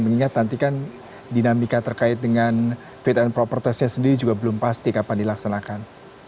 mengingat nanti kan dinamika terkait dengan fit and proper testnya sendiri juga belum pasti kapan dilaksanakan